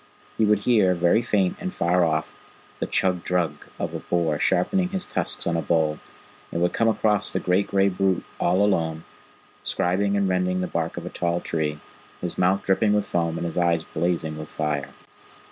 He would hear, very faint and far off, the chug drug of a boar sharpening his tusks on a bole; and would come across the great gray brute all alone, scribing and rending the bark of a tall tree, his mouth dripping with foam, and his eyes blazing like fire.